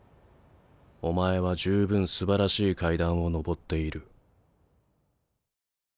お前は十分すばらしい階段を上っている。